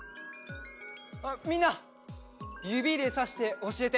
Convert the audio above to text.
みんなゆびでさしておしえて！